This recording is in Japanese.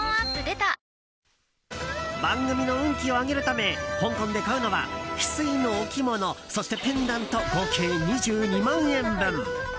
トーンアップ出た番組の運気を上げるため香港で買うのはヒスイの置物、そしてペンダント合計２２万円分。